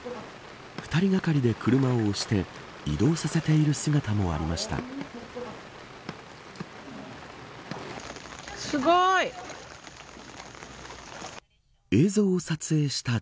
２人がかりで車を押して移動させている姿もありました。